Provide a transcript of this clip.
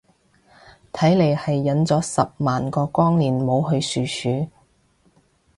睇嚟係忍咗十萬個光年冇去殊殊